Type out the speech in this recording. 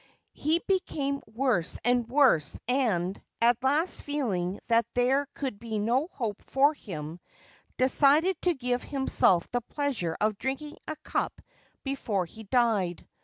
He became worse and worse, and, at last feeling that there could be no hope for him, decided to give himself the pleasure of drinking a cup before he died.